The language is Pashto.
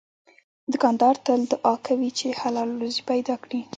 دوکاندار تل دعا کوي چې حلال روزي پیدا کړي.